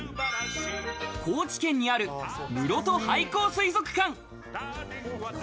高知県にある、むろと廃校水族館。